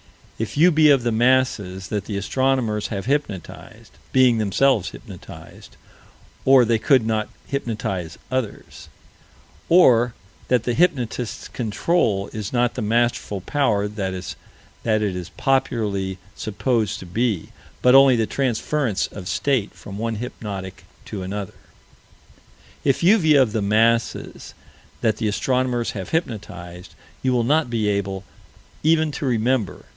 If you be of the masses that the astronomers have hypnotized being themselves hypnotized, or they could not hypnotize others or that the hypnotist's control is not the masterful power that it is popularly supposed to be, but only transference of state from one hypnotic to another If you be of the masses that the astronomers have hypnotized, you will not be able even to remember.